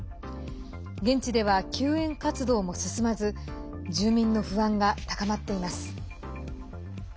現地では救援活動も進まず住民の不安が高まっています。